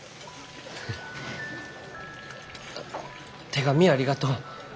手紙ありがとう。